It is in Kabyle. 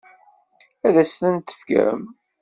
Ad as-ten-tefkem?